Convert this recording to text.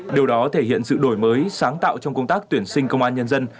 điều đó thể hiện sự đổi mới sáng tạo trong công tác tuyển sinh công an nhân dân